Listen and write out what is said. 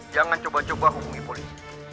jangan coba coba hubungi polisi